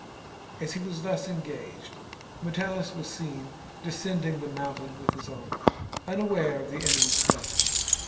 As he was thus en gaged, Metellus was seen descending the mountain with his army, unaware of the enemy's presence.